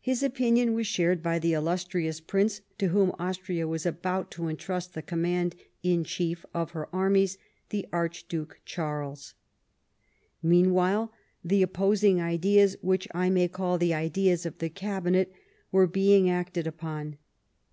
His opinion was shared by the illustrious prince to whom Austria was about to entrust the command in chief of her armies, the Archduke Charles. ]\Ieanwhile, the o])posing ideas, which I may call the ideas of the Cabinet, were being acted upon.